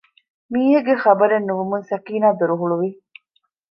މީހެއްގެ ޚަބަރެއް ނުވުމުން ސަކީނާ ދޮރު ހުޅުވި